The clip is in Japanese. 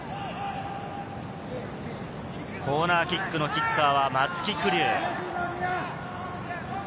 コーナーキックのキッカーは松木玖生。